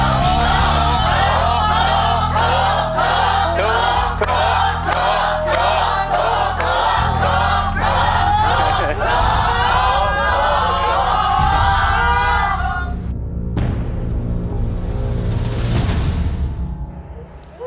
ถูก